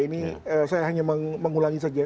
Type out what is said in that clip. ini saya hanya mengulangi saja